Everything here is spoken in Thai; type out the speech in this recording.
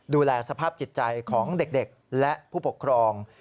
ดูแลสภาพจิตใจของเด็กและผู้ปกครอง